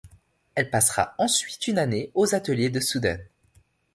Elle passera ensuite une année aux ateliers du Sudden.